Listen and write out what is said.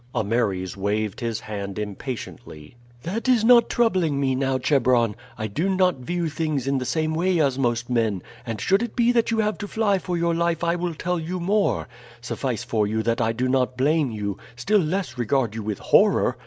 Ameres waved his hand impatiently. "That is not troubling me now, Chebron. I do not view things in the same way as most men, and should it be that you have to fly for your life I will tell you more; suffice for you that I do not blame you, still less regard you with horror.